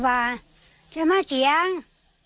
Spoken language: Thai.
เขาว่าจะมาเจียง